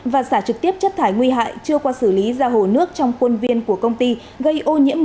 và xả trực tiếp chất thải nguy hại chưa qua xử lý ra hồ nước trong quân viên của công ty